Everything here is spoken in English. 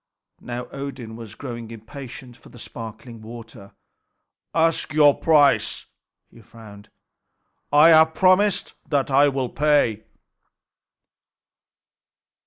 Now Odin was growing impatient for the sparkling water. "Ask your price," he frowned. "I have promised that I will pay."